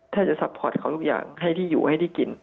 ถ้าจะซัพพอร์ตเขาทุกอย่างให้ที่อยู่ให้ได้กิน